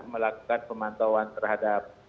melakukan pemantauan terhadap